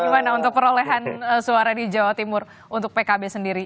gimana untuk perolehan suara di jawa timur untuk pkb sendiri